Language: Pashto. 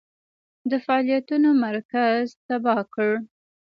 د فعالیتونو مرکز تباه کړ.